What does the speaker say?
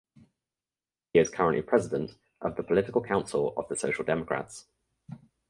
He is currently president of the Political Council of the Social Democrats.